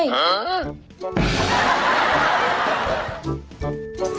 หา